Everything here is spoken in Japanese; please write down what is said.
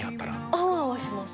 アワアワします